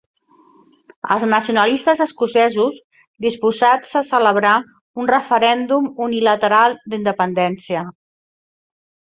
Els nacionalistes escocesos, disposats a celebrar un referèndum unilateral d'independència.